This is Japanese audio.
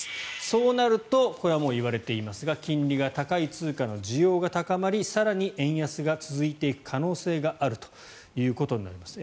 そうなるとこれは言われていますが金利が高い通貨の需要が高まり更に円安が続いていく可能性があるということになります。